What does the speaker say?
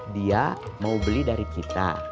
dia mau beli dari kita